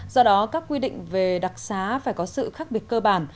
do đó các quy định về đặc xá phải có sự khác biệt cơ bản